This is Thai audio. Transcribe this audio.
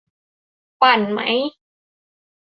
ปั่นไหม ?